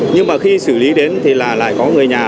nhưng mà khi xử lý đến thì là lại có người nhà